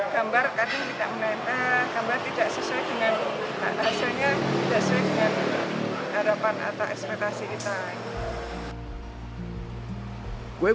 gambar kadang tidak meneta gambar tidak sesuai dengan hasilnya tidak sesuai dengan harapan atau ekspektasi kita buat